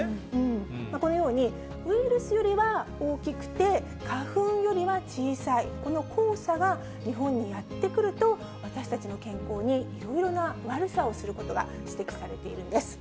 このようにウイルスよりは大きくて、花粉よりは小さい、この黄砂が日本にやって来ると、私たちの健康にいろいろな悪さをすることが指摘されているんです。